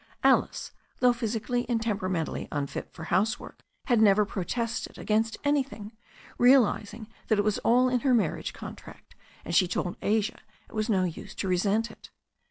Alice, though physically and tem peramently unfit for housework, had never protested against anything, realizing that it was all in her marriage contract, and she told Asia it was no use to resent it.